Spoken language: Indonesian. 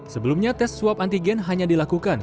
sebelumnya tes swab antigen hanya dilakukan